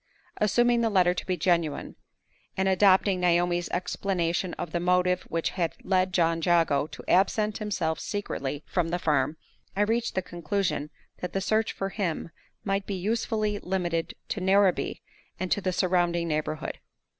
Assuming the letter to be genuine, and adopting Naomi's explanation of the motive which had led John Jago to absent himself secretly from the farm, I reached the conclusion that the search for him might be usefully limited to Narrabee and to the surrounding neighborhood.